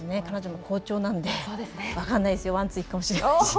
彼女も好調なので分かんないですよ